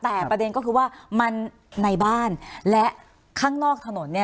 แต่ประเด็นก็คือว่ามันในบ้านและข้างนอกถนนเนี่ย